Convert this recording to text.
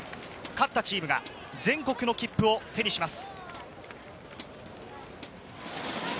勝ったチームが全国の切符を手にします。